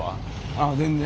あっ全然。